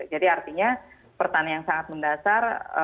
jadi artinya pertanyaan yang sangat mendasar